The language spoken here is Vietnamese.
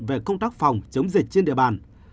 về công tác phòng chống dịch trên địa bàn